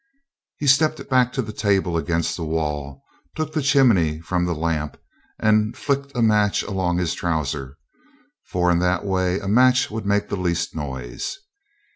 He stepped back to the table against the wall, took the chimney from the lamp, and flicked a match along his trousers, for in that way a match would make the least noise.